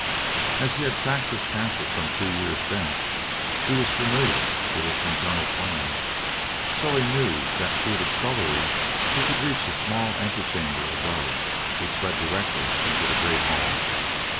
As he had sacked this castle some two years since, he was familiar with its internal plan, and so he knew that through the scullery he could reach a small antechamber above, which let directly into the great hall.